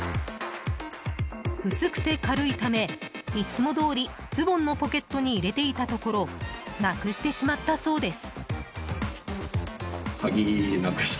薄くて軽いため、いつもどおりズボンのポケットに入れていたところなくしてしまったそうです。